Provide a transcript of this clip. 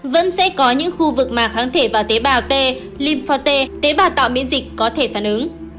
vẫn sẽ có những khu vực mà kháng thể vào tế bào t tế bào tạo miễn dịch có thể phản ứng